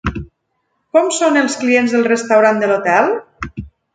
Com són els clients del restaurant de l'hotel?